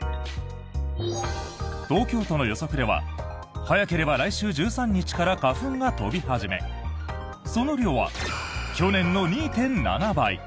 東京都の予測では早ければ来週１３日から花粉が飛び始めその量は去年の２．７倍。